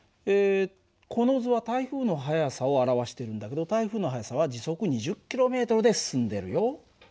この図は台風の速さを表してるんだけど台風の速さは時速２０ｋｍで進んでるよ。